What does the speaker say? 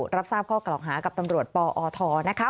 รับทราบข้อกล่าวหากับตำรวจปอทนะคะ